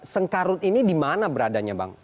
sengkarut ini di mana beradanya bang